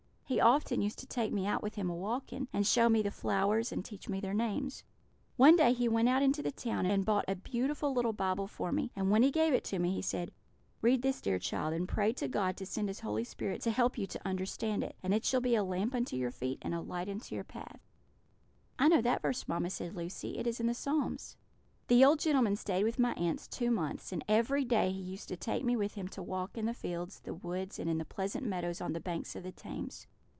He often used to take me out with him a walking, and show me the flowers, and teach me their names. One day he went out into the town, and bought a beautiful little Bible for me; and when he gave it to me he said: 'Read this, dear child, and pray to God to send His Holy Spirit to help you to understand it; and it shall be a lamp unto your feet, and a light unto your path.'" "I know that verse, mamma," said Lucy; "it is in the Psalms." "The old gentleman stayed with my aunts two months, and every day he used to take me with him to walk in the fields, the woods, and in the pleasant meadows on the banks of the Thames.